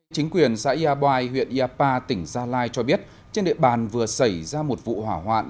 chính quyền xã yài huyện yapa tỉnh gia lai cho biết trên địa bàn vừa xảy ra một vụ hỏa hoạn